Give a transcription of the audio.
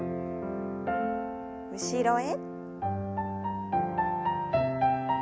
後ろへ。